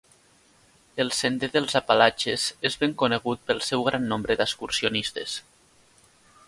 El Sender dels Apalatxes és ben conegut pel seu gran nombre d'excursionistes.